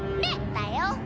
だよ。